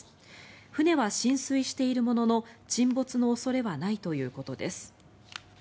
船は浸水しているものの沈没の恐れはないということです。